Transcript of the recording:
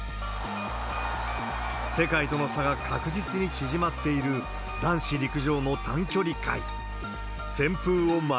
世界との差が確実に縮まっている男子陸上の短距離界。